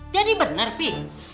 jadi bener pi